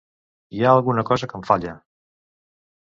Hi ha alguna cosa que em falla.